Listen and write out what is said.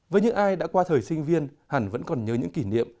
với những ai đã qua thời sinh viên hẳn vẫn còn nhớ những kỷ niệm